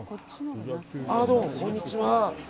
どうもこんにちは。